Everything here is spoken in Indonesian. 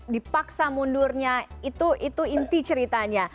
dipaksa mundurnya itu inti ceritanya